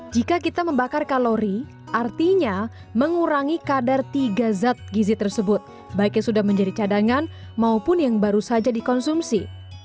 jika kita membakar kalori artinya mengurangi kadar tiga zat gizi tersebut baiknya sudah menjadi cadangan maupun yang baru saja dikonsumsi